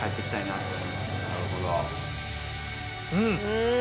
うん。